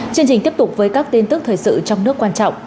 chương trình tiếp tục với các tin tức thời sự trong nước quan trọng